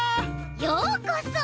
ようこそ！